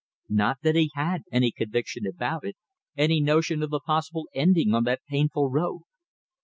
Not that he had any conviction about it, any notion of the possible ending on that painful road.